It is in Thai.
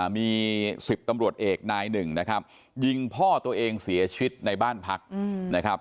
มี๑๐ตำรวจเอกนายหนึ่งนะครับยิงพ่อตัวเองเสียชีวิตในบ้านพักนะครับ